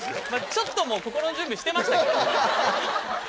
ちょっと心の準備してましたけど。